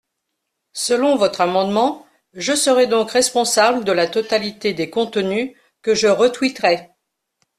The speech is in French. Selon votre amendement, je serais donc responsable de la totalité des contenus que je retweeterais.